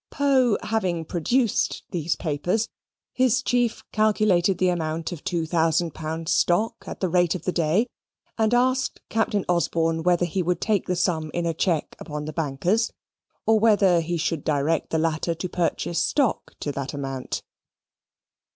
Poe having produced those papers, his chief calculated the amount of two thousand pounds stock at the rate of the day; and asked Captain Osborne whether he would take the sum in a cheque upon the bankers, or whether he should direct the latter to purchase stock to that amount.